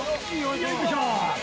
よいしょ！